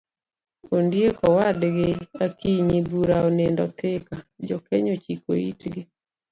ondiek owadgi akinyi bura onindo thika, jokenya ochiko itgi